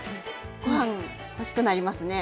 ご飯欲しくなりますね。